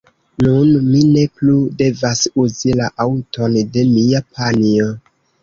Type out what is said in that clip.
Nun mi ne plu devas uzi la aŭton de mia panjo.